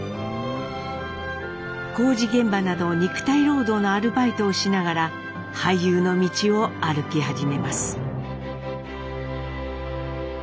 工事現場など肉体労働のアルバイトをしながら俳優の道を歩き始めます。